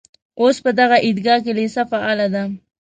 اوس په دغه عیدګاه کې لېسه فعاله ده.